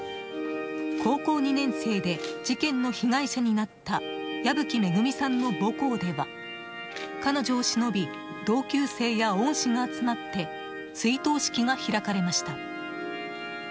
高校２年生で事件の被害者になった矢吹恵さんの母校では彼女をしのび同級生や恩師が集まって追悼式が開かれました。